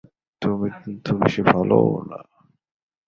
কিন্তু তুমি বেশি ভালোও না।